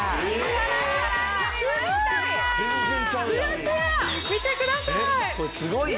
見てください！